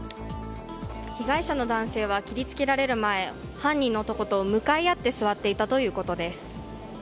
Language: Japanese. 被害者の男性は切り付けられる前犯人の男と向かい合って座っていたということです。